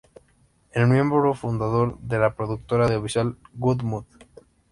Es miembro fundador de la productora audiovisual Good Mood.